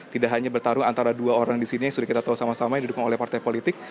tidak hanya bertarung antara dua orang di sini yang sudah kita tahu sama sama yang didukung oleh partai politik